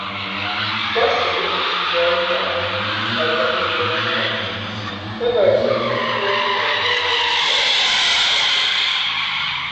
Bosley Crowther of "The New York Times", favorably influenced by Brando's efforts, noted: "...